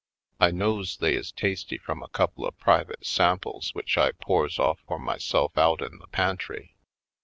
I knows they is tasty from a couple of private samples which I pours off for myself out in the pantry.